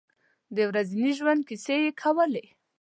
د ورځني ژوند کیسې یې کولې.